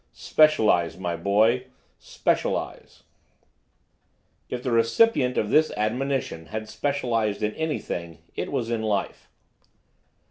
Specialize, my boy, specialize." If the recipient of this admonition had specialized in anything, it was in life.